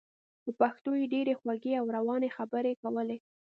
په پښتو یې ډېرې خوږې او روانې خبرې کولې.